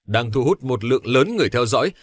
đang thu hút một lượng lớn người theo dõi